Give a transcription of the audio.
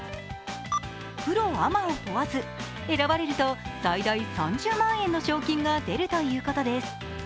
プロ・アマを問わず、選ばれると最大３０万円の賞金が出るということです。